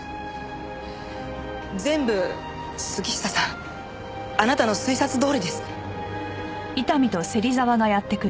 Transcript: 全部杉下さんあなたの推察どおりです。